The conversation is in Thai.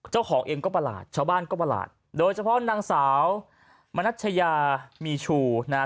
เจ้าของเองก็ประหลาดชาวบ้านก็ประหลาดโดยเฉพาะนางสาวมนัชยามีชูนะฮะ